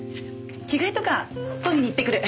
着替えとか取りにいってくる。